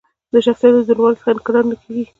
د شخصیت له دروندوالي څخه یې انکار نه کېږي.